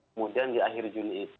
kemudian di akhir juni